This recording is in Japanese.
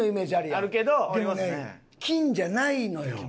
でもね金じゃないのよ。